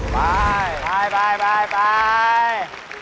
ไป